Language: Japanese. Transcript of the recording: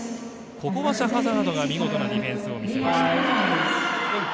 ここはシャハザードが見事なディフェンスを見せました。